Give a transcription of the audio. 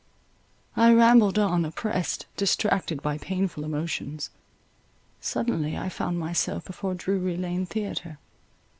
I rambled on, oppressed, distracted by painful emotions—suddenly I found myself before Drury Lane Theatre.